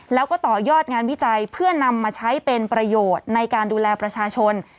แล้วก็ต่อยอดงานวิจัยเพื่อนำมาใช้เป็นประโยชน์ในการดูแลประชาชน